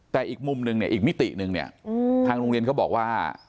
แต่อีกมุมนึงเนี่ยอีกมิติหนึ่งเนี่ยทางโรงเรียนเขาบอกว่า